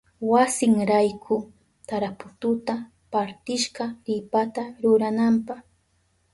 Wasinrayku tarapututa partishka ripata rurananpa.